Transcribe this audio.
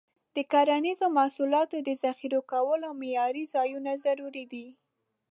د کرنیزو محصولاتو د ذخیره کولو معیاري ځایونه ضروري دي.